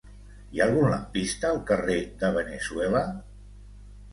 Hi ha algun lampista al carrer de Veneçuela?